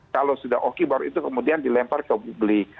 kalau sudah oke baru itu kemudian dilempar ke publik